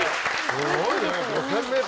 すごいね。